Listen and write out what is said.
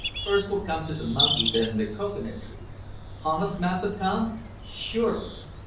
First we'll come to the monkeys, and the cocoanut trees." "Hones' Massa Tom?" "Surely."